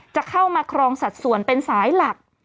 จะเข้ามาครองสัดส่วนเป็นสายหลัก